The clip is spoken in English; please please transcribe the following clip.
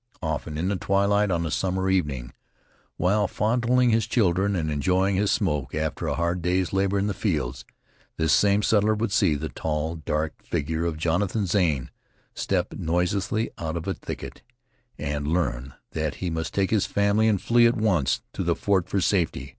Often in the twilight on a summer evening, while fondling his children and enjoying his smoke after a hard day's labor in the fields, this same settler would see the tall, dark figure of Jonathan Zane step noiselessly out of a thicket, and learn that he must take his family and flee at once to the fort for safety.